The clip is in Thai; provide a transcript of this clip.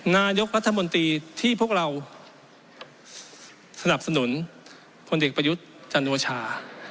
นายกรัฐมนตรีที่พวกเราสนับสนุนพลเอกประยุทธ์จันโอชา